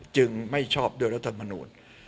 จึงไม่ชอบด้วยรัฐมนุน